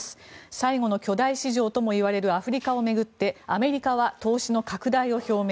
最後の巨大市場ともいわれるアフリカを巡ってアメリカは投資の拡大を表明。